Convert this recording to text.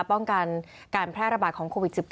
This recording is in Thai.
ป้องกันการแพร่ระบาดของโควิด๑๙